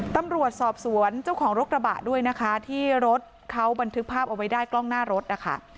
ตำรวจสอบสวนเจ้าของรถกระบะด้วยนะคะที่รถเขาบันทึกภาพเอาไว้ได้กล้องหน้ารถนะคะ